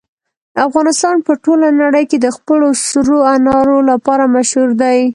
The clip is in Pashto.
افغانستان په ټوله نړۍ کې د خپلو سرو انارو لپاره مشهور دی.